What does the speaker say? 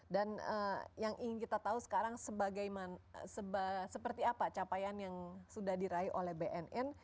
dan yang ingin kita tahu sekarang seperti apa capaian yang sudah diraih oleh bnn